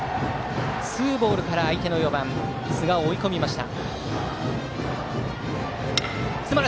ツーボールから相手の４番寿賀を追い込みました。